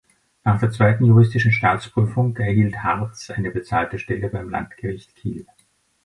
Nach der zweiten juristischen Staatsprüfung erhielt Hartz eine bezahlte Stelle beim Landgericht Kiel.